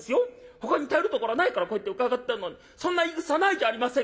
ほかに頼るところないからこうやって伺ったのにそんな言いぐさないじゃありませんか。